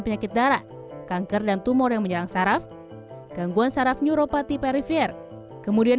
penyakit darah kanker dan tumor yang menyerang saraf gangguan saraf neuropati perifer kemudian